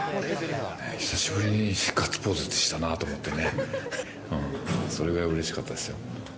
久しぶりにガッツポーズしたなと思ってね、それぐらいうれしかったですよ。